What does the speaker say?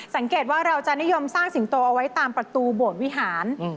สังเกตว่าเราจะนิยมสร้างสิงโตเอาไว้ตามประตูโบสถวิหาร